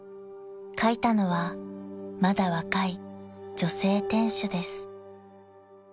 ［書いたのはまだ若い女性店主です］